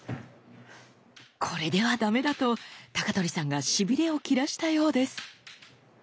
これではダメだと鳥さんがしびれを切らしたようです。